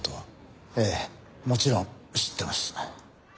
ええもちろん知ってます。